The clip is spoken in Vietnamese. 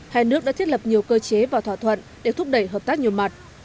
hai nước đã thiết lập nhiều cơ chế và thỏa thuận để thúc đẩy hợp tác nhiều mặt